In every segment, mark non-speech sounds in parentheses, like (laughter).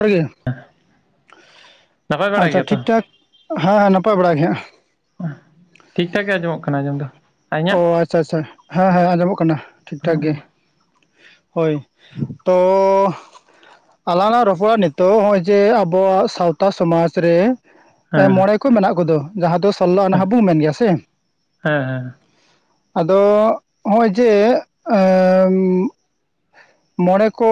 ᱡᱚᱦᱟᱨᱜ ᱜᱮ ᱱᱟᱯᱟᱭ ᱵᱟᱲᱟ ᱟᱪᱷᱟ ᱜᱮᱭᱟ ᱛᱚ? ᱴᱷᱤᱠᱼᱴᱷᱟᱠ ᱦᱮᱸ ᱦᱮᱸ ᱱᱟᱯᱟᱭ ᱵᱟᱲᱟ ᱜᱮ ᱦᱟᱸᱜ ᱴᱷᱤᱠᱼᱴᱷᱟᱠ ᱜᱮ ᱟᱸᱚᱢ ᱠᱟᱱᱟ ᱟᱸᱡᱚᱢ ᱫᱚ᱾ ᱟᱨ ᱚ ᱤᱧᱟᱹᱜ? ᱟᱪᱪᱷᱟ ᱟᱪᱪᱷᱟ ᱦᱮᱸ ᱦᱮᱸ ᱟᱸᱡᱚᱢᱚᱜ ᱠᱟᱱᱟ ᱴᱷᱤᱠ ᱴᱷᱟᱠ ᱜᱮ ᱦᱮᱸ ᱦᱳᱭ ᱛᱚᱻ ᱟᱞᱟᱝ ᱨᱚᱯᱚᱲᱼᱟ, ᱱᱤᱛᱚᱜ ᱦᱚᱸᱜ ᱚᱚᱭ ᱡᱮ ᱟᱵᱚᱣᱟᱜ ᱥᱟᱶᱛᱟ ᱥᱚᱢᱟᱡᱽ ᱨᱮ ᱢᱚᱬᱮ ᱦᱮᱸ ᱠᱚ ᱢᱮᱱᱟᱜ ᱠᱚᱫᱚ ᱡᱟᱦᱟᱸ ᱫᱚ ᱥᱞᱳᱱᱦᱵᱚ ᱢᱮᱱ ᱜᱮᱭᱟ ᱥᱮ ᱦᱮᱸ ᱦᱮᱸ᱾ ᱟᱫᱚ ᱦᱚᱸᱜᱼᱚᱭ ᱡᱮ ᱮᱸᱻ ᱢᱚᱬᱮ ᱠᱚ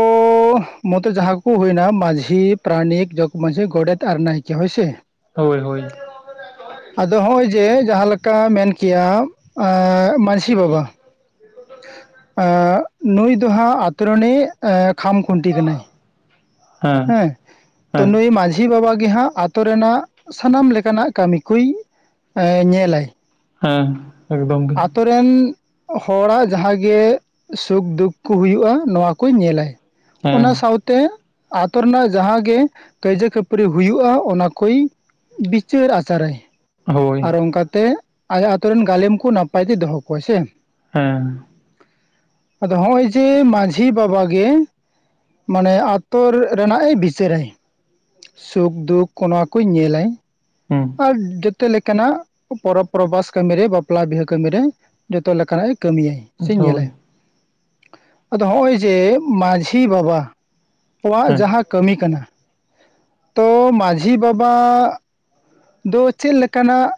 ᱢᱚᱛᱚ ᱡᱟᱦᱟᱸ ᱠᱚ ᱦᱩᱭᱱᱟ ᱢᱟᱺᱡᱷᱤ ᱯᱨᱟᱱᱤᱠ ᱡᱚᱜᱽ ᱢᱟᱺᱡᱷᱤ ᱜᱚᱰᱮᱛ ᱟᱨ ᱱᱟᱭᱠᱮ ᱡᱮ ᱦᱳᱭ ᱥᱮ ᱦᱳᱭ ᱦᱳᱭ᱾ ᱟᱫᱚ ᱦᱚᱸᱜᱼᱚᱭ ᱡᱮ ᱡᱟᱦᱟᱸᱞᱮᱠᱟ ᱢᱮᱱ ᱠᱮᱭᱟ ᱢᱟᱹᱡᱷᱤ ᱵᱟᱵᱟ᱾ ᱮᱸᱜ ᱱᱩᱭ ᱫᱚᱦᱟ ᱟᱛᱨᱟᱱᱤ ᱠᱷᱟᱢᱼᱠᱷᱩᱱᱴᱤ ᱠᱟᱱᱟᱭ᱾ ᱦᱮᱸ᱾ ᱛᱚ ᱦᱮᱸ ᱱᱩᱭ ᱢᱟᱺᱡᱷᱤ ᱵᱟᱵᱟᱟᱜ ᱜᱮ ᱦᱟᱸᱜ ᱟᱛᱳ ᱨᱮᱱᱟᱜ ᱥᱟᱱᱟᱢ ᱞᱮᱠᱟᱱᱟᱜ ᱠᱟᱹᱢᱤ ᱠᱚᱭ ᱧᱮᱞᱟᱭ᱾ ᱦᱮᱸ ᱮᱠᱫᱚᱢ ᱜᱮ ᱟᱛᱳ ᱨᱮᱱ ᱦᱚᱲᱟᱜ ᱡᱟᱦᱟᱸ ᱜᱮ ᱥᱩᱠᱫᱩᱠ ᱠᱚ ᱦᱩᱭᱩᱜᱼᱟ ᱱᱚᱣᱟ ᱠᱚᱭ ᱧᱮᱞᱟᱭ ᱦᱮᱸ ᱚᱱᱟ ᱥᱟᱶᱛᱮ ᱛᱮ ᱟᱛᱳ ᱨᱮᱱᱟᱜ ᱡᱟᱦᱟᱸ ᱜᱮ ᱠᱟᱹᱭᱡᱟᱹ ᱠᱷᱟᱹᱯᱟᱹᱨᱤ ᱦᱩᱭᱩᱜᱼᱟ ᱚᱱᱟ ᱠᱚᱭ ᱵᱤᱪᱟᱹᱨ ᱟᱪᱟᱨᱮ, ᱦᱳᱭ ᱟᱨ ᱚᱱᱠᱟᱛᱮ ᱟᱭᱟᱜ ᱟᱛᱩᱨ ᱨᱮᱱ ᱜᱟᱞᱮᱢ ᱠᱚ ᱱᱟᱯᱟᱭ ᱛᱮ ᱫᱚᱦᱚ ᱠᱚᱟᱭ ᱥᱮ ᱦᱮᱸ ᱟᱫᱚ ᱦᱚᱜᱼᱚᱭ ᱡᱮ ᱢᱟᱺᱡᱷᱤ ᱵᱟᱵᱟ ᱜᱮ ᱢᱟᱱᱮ ᱟᱛᱚᱨ ᱨᱮᱱᱟᱜᱼ ᱮ ᱵᱤᱪᱟᱹᱨᱟᱭ ᱥᱩᱠᱫᱩᱠ ᱚᱱᱟ ᱠᱩᱧ ᱧᱮᱞᱟ᱾ ᱦᱮᱸ ᱟᱨ ᱡᱚᱛᱚ ᱞᱮᱠᱟᱱᱟᱜ ᱯᱚᱨᱚᱵᱽ ᱯᱚᱨᱵᱷᱟᱥ ᱠᱟᱹᱢᱤᱨᱮ ᱵᱟᱯᱞᱟ ᱵᱤᱦᱟᱹ ᱠᱟᱹᱢᱤ ᱨᱮ ᱡᱷᱚᱛᱚ ᱞᱮᱠᱟᱱᱟᱜ ᱮ ᱠᱟᱹᱢᱤᱭᱤᱭᱟ᱾ ᱥᱮᱧ ᱦᱳᱭ ᱧᱮᱞᱟᱭ ᱟᱫᱚ ᱦᱚᱜᱼᱚᱭ ᱡᱮ ᱢᱟᱺᱡᱷᱤ ᱵᱟᱵᱟ ᱠᱚᱣᱟᱜ ᱦᱮᱸ ᱡᱟᱦᱟᱸ ᱠᱟᱹᱢᱤ ᱠᱟᱱᱟ, ᱛᱚ ᱢᱟᱺᱡᱷᱤ ᱵᱟᱵᱟ ᱫᱚ ᱪᱮᱫ ᱞᱮᱠᱟᱱᱟᱜ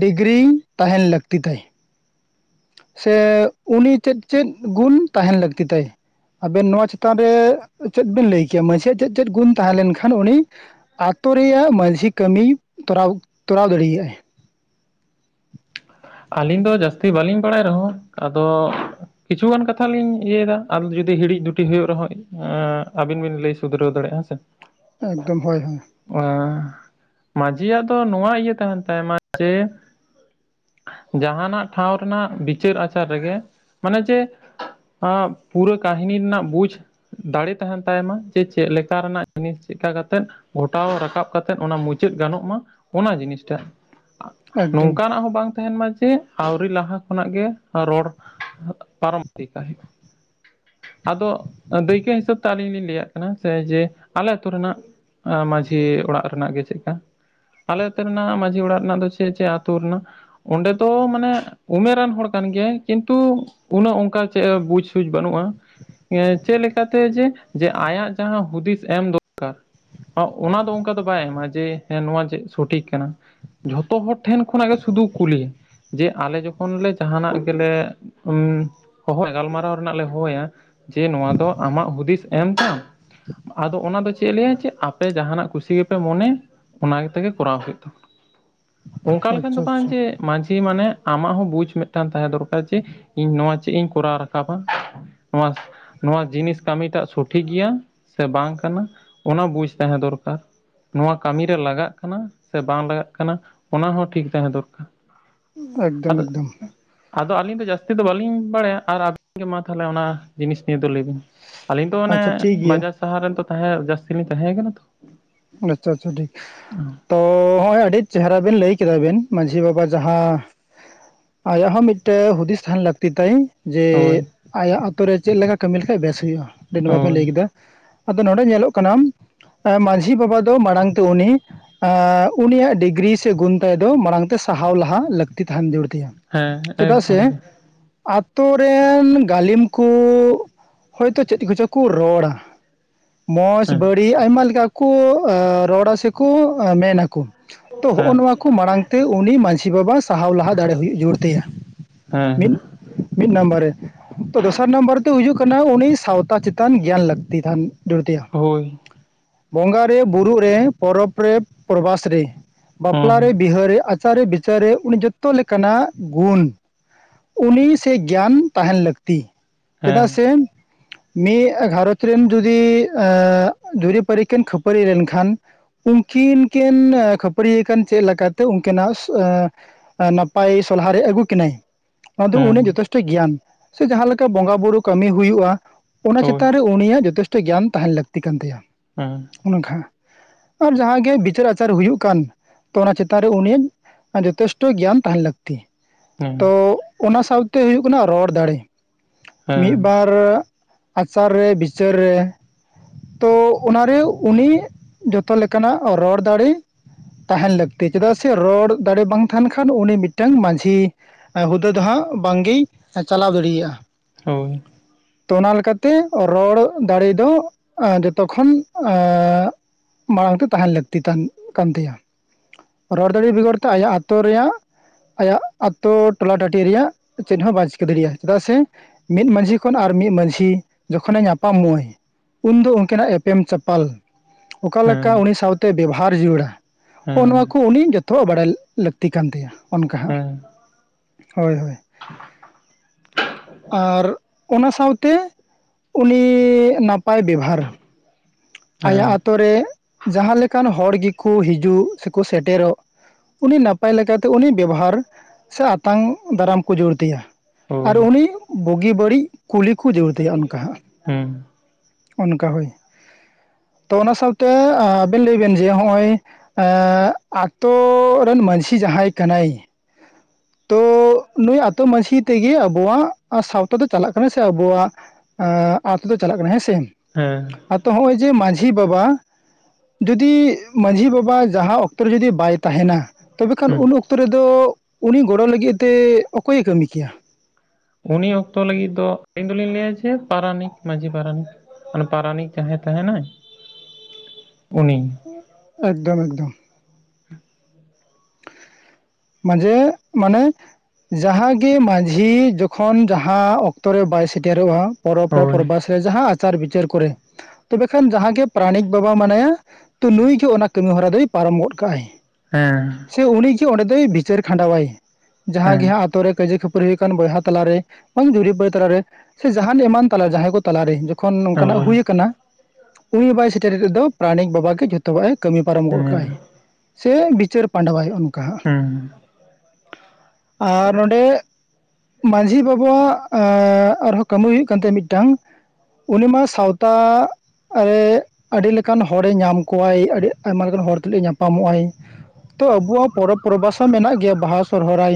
ᱰᱤᱜᱽᱨᱤ ᱛᱟᱦᱸᱮᱱ ᱞᱟᱹᱠᱛᱤ ᱛᱟᱭ? ᱥᱮ ᱩᱱᱤ ᱪᱮᱫ ᱪᱮᱫ ᱜᱩᱱ ᱛᱟᱦᱮᱱ ᱞᱟᱹᱠᱛᱤ ᱛᱟᱭᱟᱭ? ᱟᱵᱮᱱ ᱱᱚᱣᱟ ᱪᱮᱛᱟᱱ ᱨᱮ ᱪᱮᱫ ᱵᱮᱱ ᱞᱟᱹᱭ ᱠᱮᱭᱟ? ᱢᱟᱺᱡᱷᱤᱭᱟᱜ ᱪᱮᱫ ᱪᱮᱫ ᱜᱩᱱ ᱛᱟᱦᱮᱸ ᱞᱮᱱᱠᱷᱟᱱ ᱩᱱᱤ ᱟᱛᱳ ᱨᱮᱭᱟᱜ ᱢᱟᱹᱡᱷᱤ ᱠᱟᱹᱢᱤᱭ ᱛᱚᱨᱟᱣ ᱛᱚᱨᱟᱣ ᱫᱟᱲᱮᱭᱟᱜᱟᱭ᱾ ᱟᱹᱞᱤᱧ ᱫᱚ ᱡᱟᱹᱥᱛᱤ ᱵᱟᱹᱞᱤᱧ ᱵᱟᱲᱟᱭ ᱨᱮᱦᱚᱸ ᱟᱫᱚ ᱠᱤᱪᱷᱩᱜᱟᱱ ᱠᱟᱛᱷᱟ ᱞᱤᱧ ᱤᱭᱟᱹᱭᱟ ᱟᱨ ᱡᱩᱫᱤ ᱦᱤᱲᱤᱡ ᱫᱷᱩᱴᱤ ᱦᱩᱭᱩᱜ ᱨᱮᱦᱚᱸ ᱟᱵᱤᱱ ᱵᱤᱱ ᱞᱟᱹᱭ ᱥᱩᱫᱷᱨᱟᱹᱣ ᱫᱟᱲᱮᱭᱟᱜᱼᱟ ᱥᱮ? ᱮᱠᱫᱚᱢ ᱦᱳᱭ ᱦᱳᱭ, ᱚᱭ ᱢᱟᱹᱡᱤᱭᱟᱜ ᱫᱚ ᱱᱚᱣᱟ ᱤᱭᱟᱹ ᱛᱟᱦᱮᱱ ᱛᱟᱭᱢᱟ ᱡᱮ ᱡᱟᱦᱟᱱᱟᱜ ᱴᱷᱟᱶ ᱨᱮᱱᱟᱜ ᱵᱤᱪᱟᱹᱨ ᱟᱪᱟᱨ ᱨᱮᱜᱮ ᱢᱟᱱᱮ ᱡᱮ ᱟ ᱯᱩᱨᱟᱹ ᱠᱦᱤᱱᱤ ᱨᱮᱱᱟᱜ ᱵᱩᱡᱽ ᱫᱟᱲᱮ ᱛᱟᱦᱮᱱ ᱛᱟᱭᱢᱟ ᱡᱮ ᱪᱮᱫ ᱞᱮᱠᱟ ᱨᱮᱱᱟᱜ ᱡᱤᱱᱤᱥ ᱪᱮᱫᱠᱟ ᱠᱟᱛᱮᱫ ᱜᱷᱚᱴᱟᱣ ᱨᱟᱠᱟᱵ ᱠᱟᱛᱮᱫ ᱚᱱᱟ ᱢᱩᱪᱟᱹᱫ ᱜᱟᱱᱚᱜ ᱢᱟ ᱚᱱᱟ ᱡᱤᱱᱤᱥ ᱴᱷᱟᱜ᱾ ᱮᱠᱫᱚᱢ ᱱᱚᱝᱠᱟᱱᱟᱜ ᱦᱚᱸ ᱵᱟᱝ ᱛᱟᱦᱮᱱ ᱢᱟ ᱡᱮ ᱟᱹᱣᱨᱤ ᱞᱟᱦᱟ ᱠᱷᱚᱱᱟᱜ ᱜᱮ ᱨᱚᱲ ᱯᱟᱨᱚᱢ ᱤᱫᱤ ᱠᱟᱜ ᱦᱩᱭᱩᱜ-ᱟ᱾ ᱟᱫᱚ ᱫᱟᱹᱭᱠᱟᱹ ᱦᱤᱥᱟᱹᱵ ᱛᱮ ᱟᱹᱞᱤᱧ ᱞᱤᱧ ᱞᱟᱹᱭᱟᱜ ᱠᱟᱱᱟ ᱥᱮ ᱡᱮ ᱟᱞᱮ ᱟᱹᱛᱩ ᱨᱮᱱᱟᱜ ᱟ ᱢᱟᱹᱡᱷᱤ ᱚᱲᱟᱜ ᱨᱮᱱᱟᱜ ᱜᱮ ᱪᱮᱫ ᱛᱟ? ᱟᱞᱮ ᱟᱹᱛᱩ ᱨᱮᱱᱟᱜ ᱢᱟᱹᱡᱷᱤ ᱚᱲᱟᱜ ᱨᱮᱱᱟᱜ ᱫᱚ ᱪᱮᱫ ᱪᱮᱫ ᱟᱹᱛᱩ ᱨᱮᱱᱟᱜ ᱚᱸᱰᱮ ᱫᱚ ᱢᱟᱱᱮ ᱩᱢᱮᱨᱟᱱ ᱦᱚᱲ ᱠᱟᱱ ᱜᱮᱭᱟᱭ, ᱠᱤᱱᱛᱩ ᱩᱱᱟᱹᱜ ᱚᱱᱠᱟ ᱪᱮᱫ ᱵᱩᱡᱽ ᱥᱩᱡ ᱵᱟᱹᱱᱩᱜᱼᱟ᱾ ᱪᱮᱫ ᱞᱮᱠᱟᱛᱮ? ᱡᱮ ᱡᱮ ᱟᱭᱟᱜ ᱡᱟᱦᱟᱸ ᱦᱩᱫᱤᱥ ᱮᱢ ᱫᱚᱨᱠᱟᱨ ᱚᱱᱟ ᱫᱚ ᱚᱱᱠᱟ ᱫᱚ ᱵᱟᱭ ᱮᱢᱟ, ᱡᱮ ᱦᱮᱸ ᱱᱚᱣᱟ ᱪᱮᱫ ᱥᱚᱴᱷᱤᱠ ᱠᱟᱱᱟ? ᱡᱷᱚᱛᱚ ᱦᱚᱲ ᱴᱷᱮᱱ ᱠᱷᱚᱱᱟᱜ ᱜᱮ ᱥᱩᱫᱩ- ᱠᱩᱞᱞᱤ ᱡᱮ ᱟᱞᱮ ᱡᱚᱠᱷᱚᱱ ᱞᱮ ᱡᱟᱦᱟᱱᱟᱜ ᱜᱮᱞᱮ (unintelligible) ᱦᱚᱦᱚ ᱜᱟᱞᱢᱟᱨᱟᱣ ᱨᱮᱱᱟᱜ ᱞᱮ ᱦᱚᱦᱚᱭᱟ ᱡᱮ ᱱᱚᱣᱟ ᱫᱚ ᱟᱢᱟᱜ ᱦᱩᱫᱤᱥ ᱮᱢ ᱛᱟᱢ᱾ ᱟᱫᱚ ᱚᱱᱟ ᱫᱚ ᱪᱮᱫ ᱞᱟᱹᱭᱟ ᱡᱮ ᱟᱯᱮ ᱡᱟᱦᱟᱱᱟᱜ ᱠᱩᱥᱤ ᱜᱮᱯᱮ ᱢᱚᱱᱮ ᱚᱱᱟ ᱛᱮᱜᱮ ᱠᱚᱨᱟᱣ ᱦᱩᱭᱩᱜ ᱛᱟᱢᱟ, ᱚᱱᱠᱟ ᱞᱮᱠᱟᱱ ᱟᱪᱪᱷᱟ ᱫᱚ ᱵᱟᱝ᱾ ᱟᱪᱪᱷᱟ ᱢᱟᱹᱡᱷᱤ ᱢᱟᱱᱮ ᱟᱢᱟᱜ ᱦᱚᱸ ᱵᱩᱡᱽ ᱢᱤᱫᱴᱟᱝ ᱛᱟᱦᱮᱸ ᱫᱚᱨᱠᱟᱨ ᱡᱮ ᱤᱧ ᱱᱚᱣᱟ ᱪᱮᱫ ᱤᱧ ᱠᱚᱨᱟᱣ ᱨᱟᱠᱟᱵᱟ? ᱱᱚᱣᱟ ᱱᱚᱣᱟ ᱡᱤᱱᱤᱥ ᱠᱟᱹᱢᱤᱴᱟᱜ ᱥᱚᱴᱷᱤᱠ ᱜᱮᱭᱟ ᱥᱮ ᱵᱟᱝ ᱠᱟᱱᱟ ᱚᱱᱟ ᱵᱩᱡᱽ ᱛᱟᱦᱮᱸ ᱫᱚᱨᱠᱟᱨ᱾ ᱱᱚᱣᱟ ᱠᱟᱹᱢᱤᱨᱮ ᱞᱟᱜᱟᱜ ᱠᱟᱱᱟ ᱥᱮ ᱵᱟᱝ ᱞᱟᱜᱟᱜ ᱠᱟᱱᱟ ᱚᱱᱟ ᱦᱚᱸ ᱴᱷᱤᱠ ᱛᱟᱦᱮᱸ ᱫᱚᱨᱠᱟᱨ᱾ ᱮᱠᱫᱚᱢ ᱟᱫᱚ ᱮᱠᱫᱚᱢ, ᱟᱫᱚ ᱟᱹᱞᱤᱧ ᱫᱚ ᱡᱟᱹᱥᱛᱤ ᱫᱚ ᱵᱟᱹᱞᱤᱧ ᱵᱟᱲᱟᱭᱟ ᱟᱨ ᱟᱹᱵᱤᱱ ᱜᱮ ᱢᱟ ᱛᱟᱦᱚᱞᱮ ᱚᱱᱟ ᱡᱤᱱᱤᱥ ᱱᱤᱭᱟᱹᱮ ᱫᱚ ᱞᱟᱹᱭ ᱵᱤᱱ ᱟᱞᱤᱧ ᱫᱚ ᱚᱱᱮ ᱟᱪᱪᱷᱟ ᱴᱷᱤᱠ ᱜᱮᱭᱟ ᱵᱟᱡᱟᱨ ᱥᱟᱦᱟᱨ ᱨᱮᱱ ᱛᱚ ᱛᱟᱦᱮᱸ ᱡᱟᱹᱥᱛᱤ ᱞᱤᱧ ᱛᱟᱦᱮᱸ ᱠᱟᱱᱟ ᱛᱚ ᱟᱪᱷᱟ ᱟᱪᱷᱟ ᱴᱷᱤᱠ ᱛᱚ ᱦᱚᱸᱜᱼᱚᱭ ᱟᱹᱰᱤ ᱪᱮᱦᱨᱟ ᱵᱤᱱ ᱞᱟᱹᱭ ᱠᱮᱫᱟ ᱵᱤᱱ᱾ ᱢᱟᱹᱡᱷᱤ ᱵᱟᱵᱟ ᱡᱟᱦᱟᱸ ᱟᱭᱟᱜ ᱦᱚᱸ ᱢᱤᱫᱴᱮᱱ ᱦᱩᱫᱤᱥ ᱛᱟᱦᱮᱱ ᱞᱟᱹᱠᱛᱤ ᱛᱟᱭ᱾ ᱡᱮ ᱦᱳᱭ ᱟᱭᱟᱜ ᱟᱹᱛᱩᱨᱮ ᱪᱮᱫ ᱞᱮᱠᱟ ᱠᱟᱹᱢᱤ ᱞᱮᱠᱷᱟᱡ ᱵᱮᱥ ᱦᱩᱭᱩᱜᱼᱟ? ᱟᱹᱰᱤ ᱱᱟᱯᱟᱭ ᱯᱮ ᱦᱳᱭ ᱞᱟᱹᱭ ᱠᱮᱫᱟ᱾ ᱟᱫᱚ ᱱᱚᱰᱮ ᱧᱮᱞᱚᱜ ᱠᱟᱱᱟᱢ, ᱢᱟᱺᱡᱷᱤ ᱵᱟᱵᱟ ᱫᱚ ᱢᱟᱲᱟᱝ ᱛᱮ ᱩᱱᱤ ᱟᱜ ᱩᱱᱤᱭᱟᱜ ᱰᱤᱜᱨᱤ ᱥᱮ ᱜᱩᱱ ᱛᱟᱭ ᱫᱚ ᱢᱟᱲᱟᱝ ᱛᱮ ᱥᱟᱦᱟᱣ ᱞᱟᱦᱟ ᱞᱟᱹᱠᱛᱤ ᱛᱟᱦᱮᱱ ᱡᱩᱨ ᱛᱤᱭᱟ᱾ ᱦᱮᱸ ᱪᱮᱫᱟᱜ ᱥᱮ ᱮᱠᱫᱚᱢ ᱜᱮ ᱟᱛᱳ ᱨᱮᱱ ᱜᱟᱹᱞᱤᱢ ᱠᱚ ᱦᱚᱭᱛᱚ ᱪᱮᱫ ᱠᱚᱪᱚ ᱠᱚ ᱨᱚᱲᱟ? ᱢᱚᱸᱡᱽ ᱦᱮᱸ ᱵᱟᱹᱲᱤᱡ ᱟᱭᱢᱟ ᱞᱮᱠᱟ ᱠᱚ ᱨᱚᱲᱟ ᱥᱮᱠᱚ ᱢᱮᱱᱟᱠᱚ ᱛᱚ ᱦᱮᱸ ᱦᱚᱜᱼᱚᱭ ᱱᱚᱣᱟ ᱠᱚ ᱢᱟᱲᱟᱝᱛᱮ ᱩᱱᱤ ᱢᱟᱹᱡᱷᱤ ᱵᱟᱵᱟ ᱥᱟᱦᱟᱣ ᱞᱟᱦᱟ ᱫᱟᱲᱮ ᱦᱩᱭᱩᱜ ᱡᱩᱨ ᱛᱟᱭᱟ᱾ ᱦᱮᱸ ᱢᱤᱫ ᱢᱤᱫ ᱱᱟᱢᱵᱟᱨ ᱨᱮ ᱛᱚ ᱫᱚᱥᱟᱨ ᱱᱟᱢᱵᱟᱨ ᱛᱮᱭ ᱦᱩᱭᱩᱜ ᱠᱟᱱᱟ ᱩᱱᱤ ᱥᱟᱶᱛᱟ ᱪᱮᱛᱟᱱ ᱜᱮᱭᱟᱱ ᱞᱟᱹᱠᱛᱤᱟᱱ ᱡᱩᱨᱫᱤᱭᱟ᱾ ᱦᱳᱭ, ᱵᱚᱸᱜᱟ ᱨᱮ ᱵᱩᱨᱩᱜ ᱨᱮ ᱯᱚᱨᱚᱵᱽ ᱨᱮ ᱯᱨᱚᱨᱵᱷᱟᱥ ᱨᱮ ᱵᱟᱯᱞᱟᱮ ᱵᱤᱦᱟᱹᱨᱮ ᱟᱪᱟᱨᱮ ᱵᱤᱪᱟᱹᱨᱮ ᱩᱱᱤ ᱡᱚᱛᱚ ᱞᱮᱠᱟᱱᱟᱜ ᱜᱩᱱ ᱩᱱᱤ ᱥᱮ ᱜᱮᱭᱟᱱ ᱛᱟᱦᱮᱱ ᱞᱟᱹᱠᱛᱤ ᱪᱮᱫᱟᱜ ᱥᱮ ᱢᱤᱫ ᱜᱷᱟᱨᱚᱸᱡᱽ ᱨᱮᱱ ᱡᱚᱫᱤ ᱮᱸ ᱡᱚᱫᱤ ᱠᱷᱟᱹᱯᱟᱹᱨᱤ ᱠᱤᱱ ᱠᱷᱟᱹᱯᱟᱹᱨᱤ ᱞᱮᱱᱠᱷᱟᱱ ᱾ ᱩᱱᱠᱤᱱ ᱠᱤᱱ ᱠᱷᱟᱹᱯᱟᱹᱨᱤᱭᱟᱹᱠᱟᱱ ᱪᱮᱫ ᱞᱮᱠᱟᱛᱮ ᱩᱱᱠᱤᱟᱜ ᱾ ᱱᱟᱯᱟᱭ ᱥᱚᱞᱦᱟᱨᱮ ᱟᱹᱜᱩ ᱠᱤᱱᱟᱭ ᱾ ᱟ ᱫᱚ ᱩᱱᱤᱭᱟᱜ ᱡᱚᱛᱷᱮᱥᱴᱚ ᱜᱮᱭᱟᱱ ᱥᱮ ᱡᱟᱦᱟᱸᱞᱮ ᱞᱮᱠᱟ ᱵᱚᱸᱜᱟ ᱵᱩᱨᱩᱳ ᱠᱟᱹᱢᱤ ᱦᱩᱭᱩᱜ-ᱟ᱾ ᱚᱱᱟ ᱪᱮᱛᱟᱱ ᱨᱮ ᱩᱱᱤᱭᱟᱜ ᱡᱚᱛᱷᱮᱥᱴᱚ ᱜᱮᱭ ᱛᱟᱦᱮᱱ ᱞᱟᱹᱠᱛᱤ ᱠᱟᱱ ᱛᱟᱭᱟ ᱾ ᱦᱮᱸ ᱚᱱᱠᱷᱟ ᱟᱨ ᱡᱟᱦᱟᱸᱜᱮ ᱵᱤᱪᱟᱹᱨ ᱟᱪᱟᱨ ᱦᱩᱭᱩᱜ ᱠᱟᱱ ᱛᱚ ᱚᱱᱟ ᱪᱮᱛᱟᱱ ᱨᱮ ᱩᱱᱤᱭᱟᱜ ᱡᱚᱛᱷᱮᱥᱴᱚ ᱜᱮᱭᱟᱱ ᱛᱟᱦᱮᱱ ᱞᱟᱹᱠᱛᱤ ᱾ ᱛᱤ ᱛᱚ ᱚᱱᱟ ᱥᱟᱶᱛᱮ ᱦᱩᱭᱩᱜ ᱠᱟᱱᱟ ᱨᱚᱲ ᱫᱟᱲᱮ ᱾ ᱢᱤᱫ ᱵᱟᱨ ᱟᱪᱟᱨ ᱨᱮ ᱵᱤᱪᱟᱹᱨ ᱨᱮ ᱛᱚ ᱚᱱᱟᱨᱮ ᱩᱱᱤ ᱡᱚᱛᱚ ᱞᱮᱠᱟᱱᱟᱜ ᱨᱚᱲ ᱫᱟᱲᱮ ᱛᱟᱦᱮᱱ ᱞᱟᱹᱠᱛᱤ ᱪᱮᱫᱟᱜ ᱥᱮ ᱨᱚᱲ ᱫᱟᱲᱮ ᱵᱟᱝ ᱛᱟᱦᱮᱱ ᱠᱷᱟᱱ ᱩᱱᱤ ᱢᱤᱫᱴᱟᱝ ᱢᱟᱺᱡᱷᱤ ᱦᱩᱫᱟᱹ ᱫᱚ ᱦᱟᱸᱜ ᱵᱟᱝᱜᱤ ᱪᱟᱞᱟᱣ ᱫᱟᱲᱮᱭᱟᱜ-ᱟ᱾ ᱦᱳᱭ ᱛᱚ ᱚᱱᱟ ᱞᱮᱠᱟᱛᱮ ᱨᱚᱲ ᱫᱟᱲᱮ ᱫᱚ ᱚᱸ ᱛᱚᱠᱷᱚᱱ ᱢᱟᱲᱟᱝ ᱛᱮ ᱛᱟᱦᱮᱱ ᱞᱟᱹᱠᱛᱤ ᱠᱟᱱ ᱛᱟᱭᱟ ᱾ ᱨᱚᱲ ᱫᱟᱲᱮ ᱵᱮᱜᱚᱨ ᱛᱮ ᱟᱭᱟᱜ ᱟᱛᱳ ᱨᱮᱭᱟᱜ᱾ ᱟᱭᱟᱜ ᱟᱛᱳ ᱴᱚᱞᱟ ᱴᱟᱴᱤ ᱨᱮᱭᱟᱜ ᱪᱮᱫ ᱦᱚᱸ ᱵᱟᱭ ᱪᱤᱠᱟᱹ ᱫᱟᱲᱮᱭᱟᱜᱼᱟ ᱪᱮᱫᱟᱜ ᱥᱮ ᱢᱤᱫ ᱢᱟᱺᱡᱷᱤ ᱠᱷᱚᱱ ᱟᱨ ᱢᱤᱫ ᱢᱟᱺᱡᱷᱤ ᱡᱚᱠᱷᱚᱱᱮ ᱧᱟᱯᱟᱢ ᱢᱚᱭ ᱩᱱᱫᱚ ᱾ ᱩᱱᱠᱤᱱᱟᱜ ᱮᱯᱮᱢ ᱪᱟᱯᱟᱞ ᱚᱠᱟᱮᱠᱟ ᱩᱱᱤ ᱥᱟᱶᱛᱮ ᱵᱮᱵᱟᱨ ᱡᱤᱭᱟᱹᱲᱟ ᱾ ᱦᱚᱜᱼᱚ ᱱᱚᱣᱟ ᱠᱚ ᱩᱱᱤ ᱡᱚᱛᱚᱣᱟᱜ ᱵᱟᱲᱟᱭ ᱞᱟᱹᱠᱛᱤ ᱠᱟᱱ ᱛᱟᱭᱟ ᱚᱱᱠᱟ ᱦᱟᱸᱜ ᱦᱮᱸ ᱦᱳᱭ ᱦᱳᱭ ᱟᱨ ᱚᱱᱟ ᱥᱟᱶᱛᱮ ᱩᱱᱤ ᱱᱟᱯᱟᱭ ᱵᱮᱵᱽᱦᱟᱨᱟ ᱟᱭᱟᱜ ᱟᱛᱳ ᱨᱮ ᱡᱟᱦᱟᱸ ᱞᱮᱠᱟᱱ ᱦᱚᱲ ᱜᱮᱠᱚ ᱦᱤᱡᱩᱜ ᱥᱮᱠᱚ ᱥᱮᱴᱮᱨᱚᱜ ᱩᱱᱤ ᱱᱟᱯᱟᱭ ᱞᱮᱠᱟᱛᱮ ᱩᱱᱤ ᱵᱮᱵᱚᱦᱟᱨ ᱥᱮ ᱟᱛᱟᱝ ᱫᱟᱨᱟᱢ ᱠᱚ ᱡᱳᱹᱲ ᱛᱟᱭᱟ ᱾ ᱟᱨ ᱦᱳᱭ, ᱩᱱᱤ ᱵᱩᱜᱤ ᱵᱟᱹᱲᱤᱡ ᱠᱩᱞᱤ ᱠᱚ ᱡᱳᱹᱲ ᱛᱟᱭᱟ ᱚᱱᱠᱟ ᱦᱟᱸᱜ ᱾ ᱦᱩᱸ, ᱚᱱᱠᱟ ᱦᱳᱭ ᱾ ᱛᱚ ᱚᱱᱟ ᱥᱟᱶᱛᱮ ᱟᱵᱮᱱ ᱞᱟᱹᱭ ᱵᱮᱱ ᱡᱮ ᱱᱚᱜ-ᱚᱭ ᱾ ᱮ ᱟᱛᱳ ᱨᱮᱱ ᱢᱟᱺᱡᱷᱤ ᱡᱟᱦᱟᱸᱭ ᱠᱟᱱᱟᱭ ᱾ ᱛᱚ ᱱᱩᱭ ᱟᱛᱳ ᱢᱟᱺᱡᱷᱤ ᱛᱮᱜᱮ ᱟᱵᱚᱣᱟᱜ ᱥᱟᱶᱛᱟ ᱫᱚ ᱪᱟᱞᱟᱜ ᱠᱟᱱᱟ ᱥᱮ ᱟᱵᱚᱣᱟᱜ ᱟᱛᱳ ᱫᱚ ᱪᱟᱞᱟᱜ ᱠᱟᱱᱟ ᱦᱮᱸ ᱥᱮ ᱦᱮᱸ ᱟᱫᱚ ᱱᱚᱜᱼᱚᱭ ᱡᱮ ᱢᱟᱺᱡᱷᱤ ᱵᱟᱵᱟ ᱡᱩᱫᱤ ᱢᱟᱺᱡᱷᱤ ᱵᱟᱵᱟ ᱡᱟᱦᱟᱸ ᱚᱠᱛᱚ ᱨᱮ ᱡᱩᱫᱤ ᱵᱟᱭ ᱛᱟᱦᱮᱱᱟ ᱾ ᱛᱚᱵᱮᱠᱷᱟᱱ ᱩᱱ ᱦᱩᱸ᱾ ᱚᱠᱛᱚ ᱨᱮᱫᱚ ᱩᱱᱤ ᱜᱚᱲᱚ ᱞᱟᱹᱜᱤᱫ ᱛᱮ ᱚᱠᱚᱭᱮ ᱠᱟᱹᱢᱤ ᱠᱮᱭᱟ ᱩᱱᱤ ᱚᱠᱛᱚ ᱞᱟᱹᱜᱤᱫ ᱫᱚ ᱟᱹᱞᱤᱧ ᱫᱚᱞᱤᱧ ᱞᱟᱹᱭ ᱟ ᱡᱮ ᱯᱟᱨᱟᱱᱤᱠ ᱢᱟᱺᱡᱷᱤ ᱯᱟᱨᱟᱱᱤᱠ ᱾ ᱯᱟᱨᱟᱱᱤᱠ ᱡᱟᱦᱟᱸᱭ ᱛᱟᱦᱮᱱᱟᱭ ᱩᱱᱤ ᱮᱠᱫᱚᱢ ᱮᱠᱫᱚᱢ ᱢᱟᱡᱮ ᱢᱟᱱᱮ ᱡᱟᱦᱟᱸᱜᱮ ᱢᱟᱺᱡᱷᱤ ᱡᱚᱠᱷᱚᱱ ᱡᱟᱦᱟᱸ ᱚᱠᱛᱚ ᱨᱮ ᱵᱟᱭ ᱥᱮᱴᱮᱨᱚᱜᱼᱟ ᱾ ᱯᱚᱨᱚᱵᱽ ᱨᱮ ᱦᱳᱭ, ᱯᱚᱨᱵᱷᱟᱥ ᱨᱮ ᱡᱟᱦᱟᱸ ᱟᱪᱟᱨ ᱵᱤᱪᱟᱹᱨ ᱠᱚᱨᱮ, ᱛᱚᱵᱮ ᱠᱷᱟᱱ ᱡᱟᱦᱟᱸᱜ ᱜᱮ ᱯᱟᱨᱟᱱᱤᱠ ᱵᱟᱵᱟ ᱢᱱᱟᱭᱟ᱾ ᱛᱚ ᱱᱩᱭ ᱜᱮ ᱚᱱᱟ ᱠᱟᱹᱢᱤ ᱦᱚᱨᱟ ᱫᱚᱭ ᱯᱟᱨᱚᱢ ᱜᱚᱫ ᱠᱟᱜᱟᱭ ᱾ ᱦᱮᱸ ᱥᱮ ᱩᱱᱤᱜᱮ ᱚᱸᱰᱮ ᱫᱚᱭ ᱵᱤᱪᱟᱹᱨ ᱠᱷᱟᱸᱰᱟᱣᱟᱭ ᱡᱟᱦᱟᱸ ᱦᱮᱸ, ᱜᱮ ᱦᱟᱸᱜ ᱟᱛᱳ ᱨᱮ ᱠᱟᱹᱡᱟᱹ ᱠᱷᱟᱹᱯ ᱾ ᱠᱷᱟᱯᱟᱨᱤ ᱟᱠᱟᱱ ᱵᱚᱭᱦᱟ ᱛᱟᱞᱟᱨᱮ ᱵᱟᱝ ᱡᱩᱨᱤ ᱛᱟᱞᱟᱨᱮ ᱥᱮ ᱡᱟᱦᱟᱱ ᱮᱢᱟᱱ ᱛᱟᱞᱟᱨ ᱡᱟᱦᱟᱸᱭ ᱠᱚ ᱛᱟᱞᱟᱨᱮ ᱠᱷᱚᱱ ᱱᱟᱝᱠᱟᱱ ᱟᱜ ᱦᱳᱭ, ᱦᱩᱭ ᱠᱟᱱᱟ ᱩᱱᱤ ᱵᱟᱭ ᱥᱮᱴᱮᱨᱮᱫ ᱫᱚ ᱯᱨᱟᱨᱟᱱᱤᱠ ᱵᱟᱵᱟ ᱜᱮ ᱡᱚᱛᱚ ᱛᱚᱵᱟᱜᱮ ᱠᱟᱹᱢᱤ ᱯᱟᱨᱚᱢ ᱜᱚᱫ ᱠᱟᱜ ᱦᱮᱸ, ᱟᱭ ᱥᱮ ᱵᱤᱪᱟᱹᱨ ᱯᱟᱸᱰᱟᱣᱟᱭ ᱚᱱᱠᱟ (inaudible) ᱟᱨ ᱱᱚᱸᱰᱮ ᱢᱟᱺᱡᱷᱤ ᱵᱟᱵᱟᱣᱟᱜ ᱟᱨᱦᱚᱸ ᱠᱟᱹᱢᱤ ᱦᱩᱭᱩᱜ ᱠᱟᱱ ᱛᱟᱭᱫ ᱢᱤᱫᱴᱟᱝ ᱩᱱᱤ ᱢᱟ ᱥᱟᱶᱛᱟ ᱨᱮ ᱟᱹᱰᱤ ᱞᱮᱠᱟᱱ ᱦᱚᱲᱮ ᱧᱟᱢ ᱠᱚᱣᱟᱭ ᱟᱹᱰᱤ ᱟᱭᱢᱟ ᱞᱮᱠᱟᱱ ᱦᱚᱲ ᱛᱩᱞᱩᱡ ᱮ ᱧᱟᱯᱟᱢᱚᱜ ᱟᱭ ᱛᱚ ᱟᱵᱚᱣᱟᱜ ᱯᱚᱨᱚᱵᱽ ᱯᱚᱨᱵᱷᱟᱥ ᱦᱚᱸ ᱢᱮᱱᱟᱜ ᱜᱮᱭᱟ ᱵᱟᱦᱟ ᱥᱚᱨᱚᱨᱟᱭ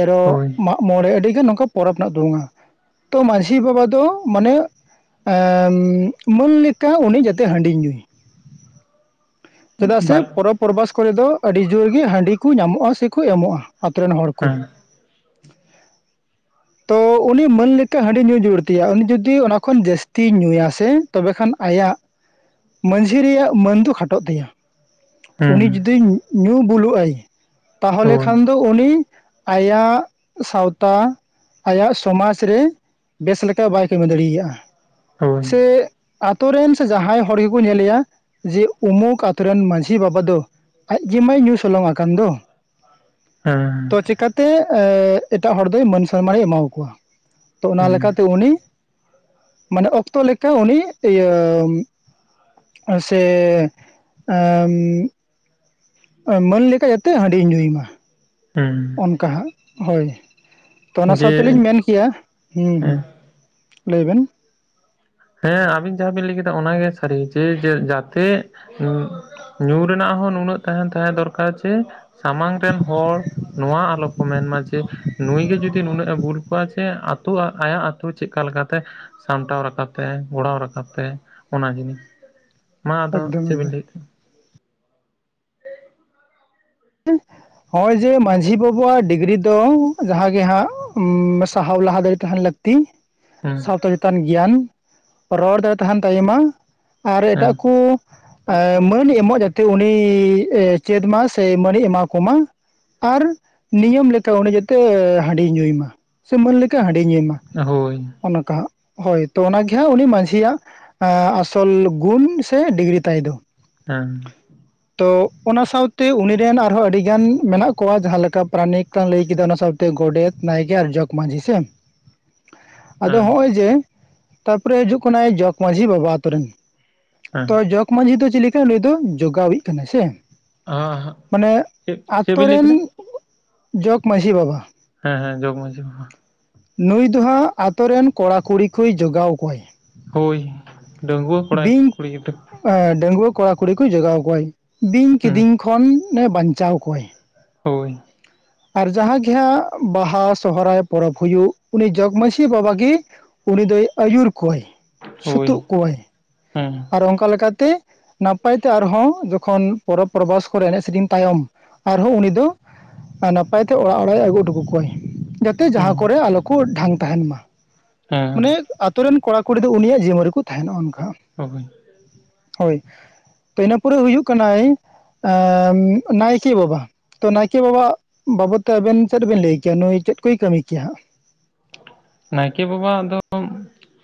ᱮᱨᱚᱜ ᱦᱳᱭ, ᱢᱟᱜ ᱢᱚᱬᱮ ᱟᱹᱰᱤᱜᱟᱱ ᱱᱚᱝᱠᱟ ᱯᱚᱨᱚᱵᱽ ᱢᱮᱱᱟᱜ ᱛᱟᱵᱩᱱᱼᱟ ᱛᱚ ᱢᱟᱺᱡᱷᱤ ᱵᱟᱵᱟ ᱫᱚ ᱢᱟᱱᱮ ᱢᱟᱹᱱ ᱞᱮᱠᱟ ᱩᱱᱤ ᱡᱟᱛᱮ ᱦᱟᱺᱰᱤ ᱧᱩᱭ ᱪᱮᱫᱟᱜ ᱥᱮ ᱵᱟᱞ ᱯᱚᱨᱚᱵᱽ ᱯᱚᱨᱚᱵᱟᱥ ᱠᱚᱨᱮ ᱫᱚ ᱟᱹᱰᱤ ᱡᱳᱨ ᱜᱮ ᱦᱟᱺᱰᱤ ᱠᱚ ᱧᱟᱢᱚᱜᱼᱟ ᱥᱮᱠᱚ ᱮᱢᱚᱜᱼᱟ ᱟᱛᱳ ᱨᱮᱱ ᱦᱚᱲ ᱠᱳ ᱦᱮᱸ, (inaudible) ᱛᱚ ᱩᱱᱤ ᱢᱟᱹᱱ ᱞᱮᱠᱟ ᱦᱟᱺᱰᱤ ᱧᱩ ᱡᱩᱲᱛᱤᱭᱟ ᱩᱱᱤ ᱡᱩᱫᱤ ᱚᱱᱟ ᱠᱷᱚᱱ ᱡᱟᱹᱥᱛᱤ ᱧᱩᱭᱟ ᱥᱮ ᱛᱚᱵᱮ ᱠᱷᱟᱱ ᱟᱭᱟᱜ ᱢᱟᱺᱡᱷᱤ ᱨᱮᱭᱟᱜ ᱢᱟᱹᱱ ᱫᱚ ᱠᱷᱟᱴᱚᱜ ᱛᱟᱭᱟ ᱩᱱᱤ ᱦᱩᱸ, ᱡᱩᱫᱤ ᱧᱩ ᱵᱩᱞᱩᱜᱼ ᱟᱭ ᱛᱟᱦᱚᱞᱮ ᱦᱳᱭ, ᱠᱷᱟᱱ ᱫᱚ ᱩᱱᱤ ᱟᱭᱟᱜ ᱥᱟᱶᱛᱟ ᱟᱭᱟᱜ ᱥᱚᱢᱟᱡ ᱨᱮ ᱵᱮᱥ ᱞᱮᱠᱟ ᱵᱟᱭ ᱠᱟᱹᱢᱤ ᱫᱟᱲᱮᱭᱟᱜᱼᱟ ᱦᱳᱭ, ᱥᱮ ᱟᱛᱳ ᱨᱮᱱ ᱥᱮ ᱡᱟᱦᱟᱸᱭ ᱦᱚᱲ ᱜᱮᱠᱚ ᱧᱮᱞᱮᱭᱟ ᱡᱮ ᱩᱢᱩᱠ ᱟᱛᱳ ᱨᱮᱱ ᱢᱟᱺᱡᱷᱤ ᱵᱟᱵᱟ ᱫᱚ ᱟᱡ ᱜᱮ ᱢᱟᱭ ᱧᱩ ᱥᱚᱞᱚᱝ ᱟᱠᱟᱱ ᱫᱚ (inaudible) ᱦᱮᱸ ᱛᱚ ᱪᱮᱠᱟᱛᱮ ᱮᱴᱟᱜ ᱦᱚᱲ ᱫᱚᱭ ᱢᱟᱹᱱ ᱥᱚᱱᱢᱟᱱᱮ ᱮᱢᱟᱣᱟᱠᱚᱣᱟ ᱛᱚ ᱚᱱᱟ ᱦᱩᱸ, ᱞᱮᱠᱟᱛᱮ ᱩᱱᱤ ᱢᱟᱱᱮ ᱚᱠᱛᱚ ᱞᱮᱠᱟ ᱩᱱᱤ ᱤᱭᱟᱹ ᱥᱮ (unintelligible) ᱢᱟᱹᱱ ᱞᱮᱠᱟ ᱡᱟᱛᱮ ᱦᱟᱺᱰᱤᱭ ᱧᱩᱭ ᱢᱟ ᱦᱮᱸ ᱚᱱᱠᱟ ᱦᱟᱸᱜ ᱦᱳᱭ ᱛᱚ ᱚᱱᱟ ᱡᱮ ᱥᱟᱶᱛᱮᱞᱤᱧ ᱢᱮᱱ ᱠᱮᱭᱟ ᱦᱩ ᱦᱩ ᱦᱮᱸ ᱞᱟᱹᱭ ᱵᱮᱱ ᱦᱮᱸ ᱟᱵᱤᱱ ᱡᱟᱦᱟᱸ ᱵᱤᱱ ᱞᱟᱹᱭ ᱠᱮᱫᱟ ᱚᱱᱟᱜᱮ ᱥᱟᱹᱨᱤ ᱡᱮ ᱡᱟᱛᱮ ᱧᱩ ᱨᱮᱱᱟᱜ ᱦᱚᱸ ᱱᱩᱱᱟᱹᱜ ᱛᱟᱦᱮᱱ ᱛᱟᱦᱮᱸ ᱫᱚᱨᱠᱟᱨ ᱡᱮ ᱥᱟᱢᱟᱝ ᱨᱮᱱ ᱦᱚᱲ ᱱᱚᱣᱟ ᱟᱞᱚ ᱢᱮᱱᱢᱟ ᱡᱮ ᱱᱩᱭ ᱜᱮ ᱡᱩᱫᱤ ᱱᱩᱱᱟᱹᱜ ᱮ ᱵᱩᱞ ᱠᱚᱣᱟᱜ ᱟ ᱡᱮ ᱟᱛᱳ ᱟᱭᱟᱜ ᱟᱛᱳ ᱪᱤᱠᱟ ᱞᱮᱠᱟᱛᱮ ᱥᱟᱢᱴᱟᱣ ᱨᱟᱠᱟᱵ ᱛᱮ ᱜᱚᱲᱟᱣ ᱨᱟᱠᱟᱵ ᱛᱮ ᱚᱱᱟ ᱡᱤᱱᱤᱥ ᱢᱟ ᱟᱫᱚ ᱮᱠᱫᱚᱢ ᱪᱮᱫ ᱵᱤᱱ ᱮᱠᱫᱚᱢ ᱞᱟᱹᱭᱮᱫ ᱛᱟᱦᱮᱸᱱᱟ ᱦᱮᱸ (inaudible) ᱱᱚᱜᱚᱭ ᱡᱮ ᱢᱟᱺᱡᱷᱤ ᱵᱟᱵᱩᱟᱜ ᱰᱤᱜᱽᱨᱤ ᱫᱚ ᱡᱟᱦᱟᱸᱜᱮ ᱦᱟᱸᱜ ᱥᱟᱦᱟᱣ ᱞᱟᱦᱟ ᱫᱟᱲᱮ ᱛᱟᱦᱮᱱ ᱞᱟᱹᱠᱛᱤ ᱦᱮᱸ ᱥᱟᱶᱛᱟ ᱪᱮᱛᱟᱱ ᱜᱮᱭᱟᱱ ᱨᱚᱲ ᱫᱟᱲᱮ ᱛᱟᱦᱮᱱ ᱛᱟᱭᱢᱟ ᱟᱨ ᱮᱴᱟᱜ ᱠᱚ ᱢᱟᱹᱱ ᱮᱢᱚᱜ ᱡᱟᱛᱮ ᱩᱱᱤ ᱪᱮᱫ ᱢᱟᱭ ᱥᱮ ᱢᱟᱹᱱᱤ ᱮᱢᱟ ᱠᱚᱢᱟ ᱟᱨ ᱱᱤᱭᱚᱢ ᱞᱮᱠᱟ ᱩᱱᱤ ᱡᱟᱛᱮ ᱦᱟᱺᱰᱤ ᱧᱩᱭ ᱢᱟ ᱥᱮ ᱢᱟᱹᱱ ᱞᱮᱠᱟ ᱦᱟᱺᱰᱤ ᱧᱩᱭ ᱢᱟ ᱦᱳᱭ ᱚᱱᱠᱟ ᱦᱟᱜ ᱦᱳᱭ ᱛᱚ ᱚᱱᱟᱜᱮ ᱩᱱᱤ ᱢᱟᱺᱡᱷᱤᱭᱟᱜ ᱟᱥᱚᱞ ᱜᱩᱱ ᱥᱮ ᱰᱤᱜᱽᱨᱤ ᱛᱟᱭ ᱫᱚ (unintelligible) ᱛᱚ ᱚᱱᱟ ᱥᱟᱶ ᱛᱮ ᱩᱱ ᱨᱮᱱ ᱟᱨᱦᱚᱸ ᱟᱹᱰᱤ ᱜᱟᱱ ᱢᱮᱱᱟᱜ ᱠᱚᱣᱟ ᱡᱟᱦᱟᱸ ᱞᱮᱠᱟ ᱯᱨᱟᱱᱤᱠ ᱞᱟᱝ ᱞᱟᱹᱭ ᱠᱮᱫᱟ ᱚᱱᱟ ᱥᱟᱶᱛᱮ ᱜᱚᱰᱮᱛ ᱱᱟᱭᱠᱮ ᱟᱨ ᱡᱚᱠ ᱢᱟᱺᱡᱷᱤ ᱥᱮ ᱟᱫᱚ ᱦᱮᱸ ᱦᱚᱜ ᱚᱭ ᱡᱮ ᱛᱟᱯᱚᱨᱮ ᱦᱤᱡᱩᱜ ᱠᱟᱱᱟᱭ ᱡᱚᱜᱽ ᱢᱟᱹᱡᱷᱤ ᱵᱟᱵᱟ ᱟᱛᱳᱨᱮᱱ ᱦᱮᱸ ᱛᱚ ᱡᱚᱠ ᱢᱺᱡᱷᱤ ᱫᱚ ᱪᱤᱞᱤᱠᱟ ᱱᱩᱭ ᱫᱚ ᱡᱚᱜᱟᱣᱤᱜ ᱠᱟᱱᱟᱭ ᱥᱮ ᱟ ᱦᱟᱜ ᱢᱟᱱᱮ ᱟᱛᱳ ᱨᱮᱱ ᱡᱚᱜᱽ ᱢᱟᱺᱡᱷᱤ ᱵᱟᱵᱟ ᱦᱮᱸ ᱦᱮᱸ ᱡᱚᱜᱽ ᱢᱟᱹᱡᱷᱤ ᱵᱟᱵᱟ ᱱᱩᱭ ᱫᱚ ᱦᱟᱸᱜ ᱟᱛᱳ ᱨᱮᱱ ᱠᱚᱲᱟ ᱠᱩᱲᱤ ᱠᱚᱭ ᱡᱚᱜᱟᱣ ᱠᱚᱣᱟᱭ ᱦᱚᱭ ᱰᱟᱺᱜᱩᱣᱟᱹ ᱠᱚᱲᱟ ᱵᱤᱧ ᱠᱩᱲᱤ ᱜᱤᱫᱽᱨᱟᱹ ᱰᱟᱺᱜᱩᱣᱟᱹ ᱠᱚᱲᱟ ᱠᱩᱲᱤ ᱠᱚ ᱡᱚᱜᱟᱣ ᱠᱚᱣᱟᱭ, ᱵᱤᱧ ᱦᱩᱸ ᱠᱤᱫᱤᱧ ᱠᱷᱚᱱ ᱮ ᱵᱟᱧᱪᱟᱣ ᱠᱚᱣᱟᱭ ᱾ ᱦᱚᱭ ᱟᱨ ᱡᱟᱦᱟᱸ ᱜᱮ ᱦᱟᱸᱜ ᱵᱟᱦᱟ ᱥᱚᱦᱨᱟᱭ ᱯᱚᱨᱚᱵᱽ ᱦᱩᱭᱩᱜ, ᱩᱱᱤ ᱡᱚᱜᱽ ᱢᱟᱹᱡᱷᱤ ᱵᱟᱵᱟ ᱜᱤ ᱩᱱᱤ ᱫᱚᱭ ᱟᱹᱭᱩᱨ ᱠᱚᱣᱟᱭ ᱥᱩᱛᱩᱜ ᱦᱳᱭ ᱠᱚᱣᱟᱭ ᱦᱮᱸ ᱟᱨ ᱚᱱᱠᱟ ᱞᱮᱠᱟᱛᱮ ᱛᱮ ᱟᱨᱦᱚᱸ ᱡᱚᱠᱷᱚᱱ, ᱯᱚᱨᱚᱵᱽ ᱯᱚᱨ ᱵᱟᱥ ᱠᱚᱨᱮ, ᱮᱱᱮᱡ ᱥᱮᱨᱮᱧ ᱛᱟᱭᱚᱢ ᱟᱨᱦᱚᱸ ᱩᱱᱤ ᱫᱚ ᱟᱨ ᱱᱟᱯᱟᱭ ᱛᱮ ᱚᱲᱟᱜ ᱚᱲᱟᱜ ᱮ ᱟᱹᱜᱩ ᱚᱴᱚ ᱠᱟ ᱠᱚᱣᱟᱭ ᱾ ᱡᱟᱛᱮ ᱡᱟᱦᱟᱸ ᱦᱩᱸ ᱠᱚᱨᱮ ᱟᱞᱚ ᱠᱚ ᱰᱷᱟᱝ ᱛᱟᱦᱮᱱ ᱢᱟ ᱢᱟᱱᱮ ᱦᱮᱸ ᱟᱹᱛᱩ ᱨᱮᱱ ᱠᱚᱲᱟ ᱠᱩᱲᱤ ᱫᱚ ᱩᱱᱤᱭᱟᱜ ᱡᱤᱢᱢᱟᱹ ᱨᱮᱠᱚ ᱛᱟᱦᱮᱱᱟ ᱚᱱᱠᱟ ᱾ (inaudible) ᱦᱚᱭ ᱛᱚ ᱤᱱᱟᱹ ᱯᱚᱨᱮ ᱦᱩᱭᱩᱜ ᱠᱟᱱᱟᱭ, ᱱᱟᱭᱠᱮ ᱵᱟᱵᱟ ᱱᱟᱭᱠᱮ ᱵᱟᱵᱟ ᱵᱟᱵᱚᱫ ᱛᱮ ᱟᱵᱮᱱ ᱪᱮᱫ ᱵᱮᱱ ᱞᱟᱹᱭ ᱠᱮᱭᱟ? ᱱᱩᱭ ᱪᱮᱫ ᱠᱚᱭ ᱠᱟᱹᱢᱤ ᱠᱮᱭᱟ ᱦᱟᱸᱜ ᱱᱟᱭᱠᱮ ᱵᱟᱵᱟ ᱟᱜ ᱫᱚ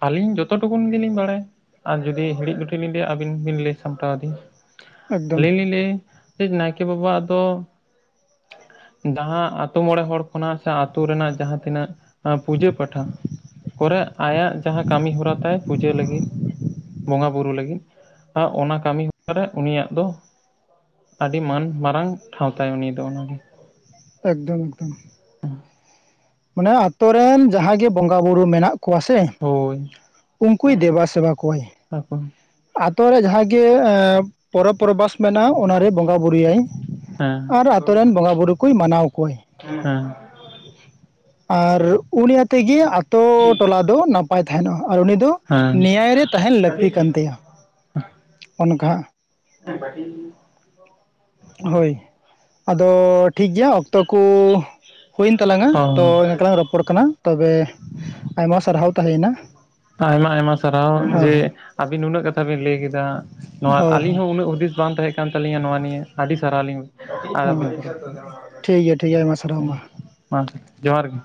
ᱟᱹᱞᱤᱧ ᱡᱚᱛᱚ ᱴᱩᱠᱩᱱ ᱜᱮ ᱞᱤᱧ ᱵᱟᱲᱟᱭᱟ ᱟᱨ ᱡᱩᱫᱤ ᱦᱤᱲᱤᱡ ᱜᱚᱷᱴᱤᱡ ᱞᱤᱧ ᱞᱟᱹᱭᱟ, ᱟᱹᱵᱤᱱ ᱵᱤᱱ ᱞᱟᱹᱭ ᱥᱟᱢᱴᱟᱣ ᱟᱹᱫᱤᱧ ᱮᱠᱫᱚᱢ ᱟᱹᱞᱤᱧ ᱞᱤᱧ ᱞᱟᱹᱭ ᱪᱮ ᱱᱟᱭᱠᱮ ᱵᱟᱵᱟ ᱟᱫᱚ ᱫᱟᱦᱟᱸᱜ ᱟᱛᱳ ᱢᱚᱬᱮ ᱦᱚᱲ ᱠᱷᱚᱱᱟᱜ ᱥᱮ ᱟᱛᱳ ᱨᱮᱱᱟᱜ ᱡᱟᱦᱟᱸ ᱛᱤᱱᱟᱹᱜ ᱡᱟᱹ ᱯᱟᱴᱷᱟ ᱠᱚᱨᱮ ᱟᱭᱟᱜ ᱡᱟᱸᱦᱟ ᱠᱟᱹᱢᱤ ᱦᱚᱨᱟ ᱛᱟᱭ ᱯᱩᱡᱟᱹ ᱞᱟᱹᱜᱤᱫ ᱾ ᱵᱚᱸᱜᱟ ᱵᱩᱨᱩ ᱞᱟᱹᱜᱤᱫ, ᱚᱱᱟ ᱠᱟᱹᱢᱤ ᱦᱚᱨᱟ ᱨᱮ ᱩᱱᱤᱭᱟᱜ ᱫᱚ ᱟᱹᱰᱤ ᱢᱟᱹᱱ ᱢᱟᱨᱟᱝ ᱴᱷᱟᱶ ᱛᱟᱭ ᱩᱱᱤ ᱫᱚ ᱚᱱᱟ ᱜᱮ ᱮᱠᱫᱚᱢ ᱮᱠᱫᱚᱢ ᱾ ᱱᱚᱣᱟ ᱟᱛᱳ ᱨᱮᱱ ᱡᱟᱦᱟᱸ ᱜᱮ ᱵᱚᱸᱜᱟ ᱵᱩᱨᱩ ᱢᱮᱱᱟᱜ ᱠᱚᱣᱟ ᱥᱮ ᱦᱳᱭ ᱩᱱᱠᱩᱭ ᱫᱮᱵᱟ ᱥᱮᱵᱟ ᱠᱚᱣᱟᱭ᱾ (inaudible) ᱟᱛᱳ ᱨᱮ ᱡᱟᱦᱟᱸᱜᱮ ᱯᱚᱨᱚᱵᱽ ᱯᱚᱨᱵᱷᱟᱥ ᱢᱮᱱᱟᱜ ᱚᱱᱟᱨᱮ ᱵᱚᱸᱜᱟ ᱵᱨᱩᱭᱟᱭ ᱾ ᱦᱮᱸ ᱟᱨ ᱟᱛᱳ ᱨᱮᱱ ᱵᱚᱸᱜᱟ-ᱵᱩᱨᱩ ᱠᱚᱭ ᱢᱟᱱᱟᱣ ᱠᱚᱣᱟᱭ ᱦᱮᱸ ᱾ ᱟᱨ ᱩᱱᱤ ᱟᱛᱮᱜ ᱜᱮ ᱟᱛᱳ ᱴᱚᱞᱟ ᱫᱚ ᱱᱟᱯᱟᱭ ᱛᱟᱦᱮᱱᱟ ᱟᱨ ᱩᱱᱤ ᱫᱚ ᱦᱮᱸ ᱱᱮᱭᱟᱭ ᱨᱮ ᱛᱟᱦᱮᱱ ᱞᱟᱹᱠᱛᱤ ᱠᱟᱱ ᱛᱟᱭᱟ ᱾ (inaudible) ᱚᱱᱠᱟ (unintelligible) ᱦᱚᱭ ᱟᱫᱚ ᱴᱷᱤᱠ ᱜᱮᱭᱟ ᱚᱠᱛᱚ ᱠᱚᱻ ᱦᱩᱭ ᱮᱱ ᱛᱟᱞᱟᱝᱟ, ᱛᱚ ᱚ ᱮᱱᱠᱟ ᱞᱟᱝ ᱨᱚᱯᱚᱲ ᱠᱟᱱᱟ, ᱛᱚᱵᱮ ᱟᱭᱢᱟ ᱥᱟᱨᱦᱟᱣ ᱛᱟᱦᱮᱸ ᱮᱱᱟ ᱾ ᱟᱭᱢᱟ ᱟᱭᱢᱟ ᱥᱟᱨᱦᱟᱣ ᱡᱮ, ᱟᱹᱵᱤᱱ ᱩᱱᱟᱹᱜ ᱠᱟᱛᱷᱟ ᱵᱤᱱ ᱞᱟᱹᱭ ᱠᱮᱫᱟ ᱾ ᱱᱚᱣᱟ ᱦᱳᱭ ᱟᱹᱞᱤᱧ ᱦᱚᱸ ᱩᱱᱟᱹᱜ ᱦᱩᱫᱤᱥ ᱵᱟᱝ ᱛᱟᱦᱮᱸ ᱠᱟᱱ ᱛᱟᱹᱞᱤᱧᱟ, ᱱᱚᱣᱟ ᱱᱤᱭᱟᱹ ᱟᱹᱰᱤ ᱥᱟᱨᱦᱟᱣ ᱟᱹᱞᱤᱧ ᱦᱳᱭ ᱴᱷᱤᱠ ᱜᱮᱭᱟ ᱴᱷᱤᱠ ᱜᱮᱭᱟ ᱟᱭᱢᱟ ᱥᱟᱨᱦᱟᱣ ᱢᱟ (unintelligible) ᱡᱚᱦᱟᱨ ᱜᱮ